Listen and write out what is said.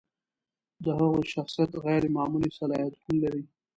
د هغوی شخصیت غیر معمولي صلاحیتونه لري.